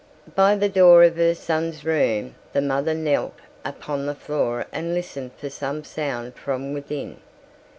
By the door of her son's room the mother knelt upon the floor and listened for some sound from within.